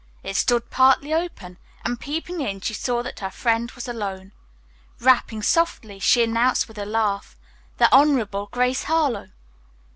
It stood partly open, and peeping in she saw that her friend was alone. Rapping softly, she announced with a laugh, "The Honorable Grace Harlowe."